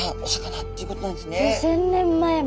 ５，０００年前も。